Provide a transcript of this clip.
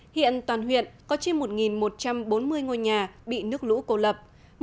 hiện toàn huyện có trên một một trăm bốn mươi ngôi nhà bị nước lũ cô lập